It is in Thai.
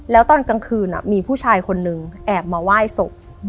แล้วตอนกลางคืนมีผู้ชายคนนึงแอบมาไหว้ศพ